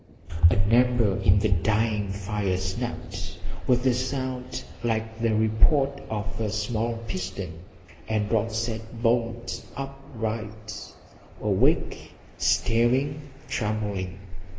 An ember in the dying fire snapped with a sound like the report of a small pistol and Rod sat bolt upright, awake, staring, trembling.